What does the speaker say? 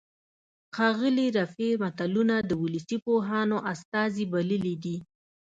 ښاغلي رفیع متلونه د ولسي پوهانو استازي بللي دي